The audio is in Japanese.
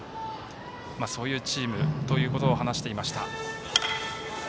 そういうチームということを話していました。